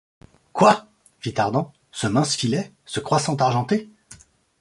Quoi! fit Ardan, ce mince filet, ce croissant argenté?